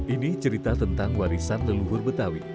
ini cerita tentang warisan leluhur betawi